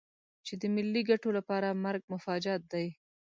چې د ملي ګټو لپاره مرګ مفاجات دی.